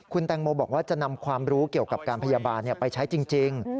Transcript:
คุณแตงโมบอกว่าจะนำความรู้เกี่ยวกับการพยาบาลไปใช้จริง